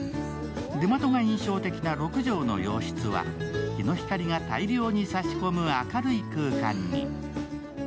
出窓が印象的な６畳の洋室は日の光が大量に差し込む明るい空間に。